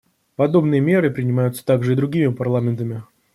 Подобные меры принимаются также и другими парламентами.